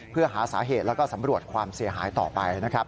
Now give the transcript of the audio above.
เพื่อหาสาเหตุและสำรวจความเสียหายต่อไป